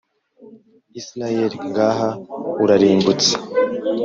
Israheli, ngaha urarimbutse,